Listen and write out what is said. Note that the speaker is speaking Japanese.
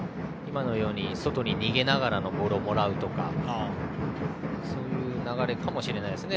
外に逃げながらボールをもらうとかそういう流れかもしれないですね。